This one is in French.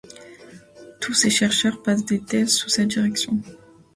Tous ces chercheurs passent des thèses sous sa direction.